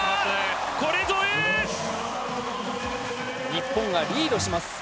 日本がリードします。